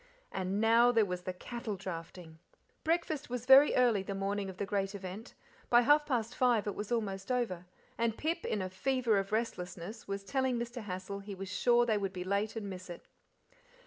And now there was the cattle drafting! Breakfast was very early the morning of the great event; by half past five it was almost over, and Pip, in a fever of restlessness, was telling Mr. Hassal he was sure they would be late and miss it.